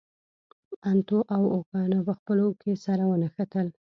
انتو او اوکتاویان په خپلو کې سره ونښتل.